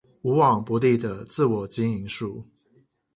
無往不利的自我經營術